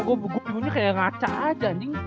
cuma gua bingungnya kayak ngaca aja anjing